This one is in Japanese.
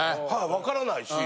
分からないし。